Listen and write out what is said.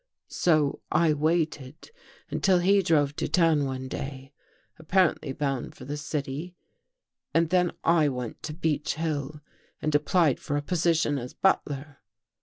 " So I waited until he drove to town one day, apparently bound for the city and then I went to Beech Hill and applied for a position as butler.